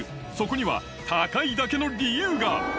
そこには高いだけの理由が。